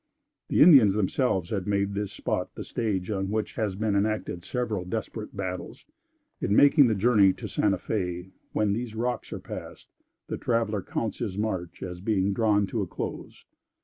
The Indians themselves have made this spot the stage on which has been enacted several desperate battles. In making the journey to Santa Fé, when these rocks are passed, the traveler counts his march as being drawn to a close.